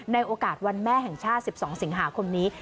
ในโอกาสวันแม่แห่งชาติ๑๒สิงหาคมนี้